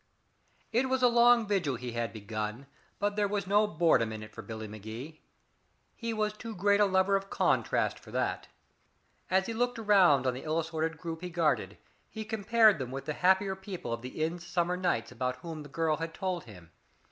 It was a long vigil he had begun, but there was no boredom in it for Billy Magee. He was too great a lover of contrast for that. As he looked around on the ill assorted group he guarded, he compared them with the happier people of the inn's summer nights, about whom the girl had told him.